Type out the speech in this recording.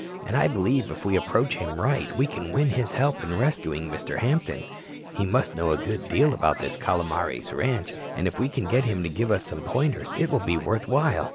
And I believe if we approach him right we can win his help in rescuing Mr. Hampton. He must know a good deal about this Calomares ranch and if we can get him to give us some pointers it will be worth while.